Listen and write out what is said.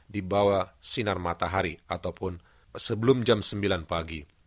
di bawah sinar matahari ataupun sebelum jam sembilan pagi